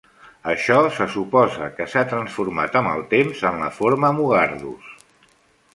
Això se suposa que s'ha transformat amb el temps en la forma "Mugardos".